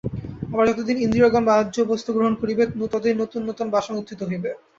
আবার যতদিন ইন্দ্রিয়গণ বাহ্যবস্তু গ্রহণ করিবে, ততদিন নূতন নূতন বাসনা উত্থিত হইবে।